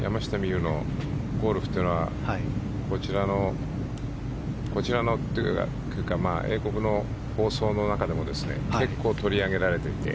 有のゴルフというのはこちらのというか英国の放送の中でも結構、取り上げられていて。